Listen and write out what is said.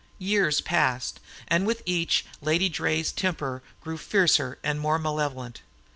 Years passed, and with each Lady Draye's temper grew fiercer and more malevolent.